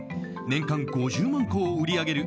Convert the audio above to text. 年間５０万個を売り上げる